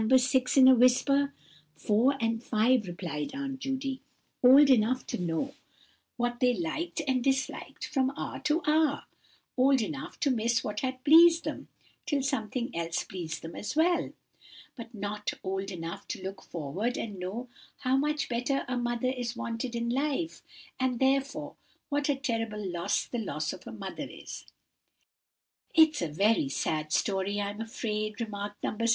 6, in a whisper. "Four and five," replied Aunt Judy; "old enough to know what they liked and disliked from hour to hour. Old enough to miss what had pleased them, till something else pleased them as well. But not old enough to look forward and know how much a mother is wanted in life; and, therefore, what a terrible loss the loss of a mother is." "It's a very sad story I'm afraid," remarked No. 6.